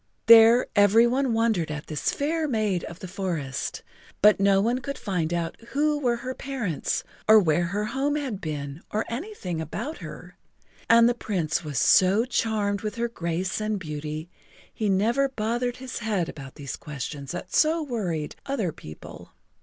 There every one wondered at this fair maid of the forest, but no one could find out who were her parents or where her home had been or anything about her, and the Prince was so charmed with her grace and beauty he never bothered his head about these questions that so worried other people.